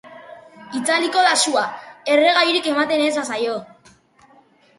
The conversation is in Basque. Itzaliko da sua, erregairik ematen ez bazaio.